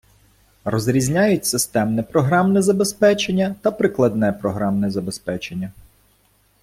Розрізняють системне програмне забезпечення та прикладне програмне забезпечення.